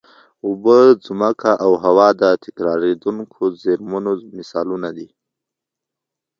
اوبه، ځمکه او هوا د تکرارېدونکو زېرمونو مثالونه دي.